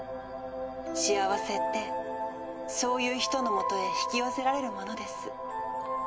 幸せってそういう人のもとへ引き寄せられるものです。